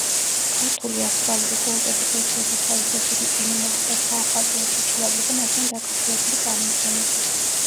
ქართული ასტრალური კულტების ერთ-ერთი თავისებური ელემენტთა საახალწლო ჩიჩილაკი და მასთან დაკავშირებული წარმოდგენები.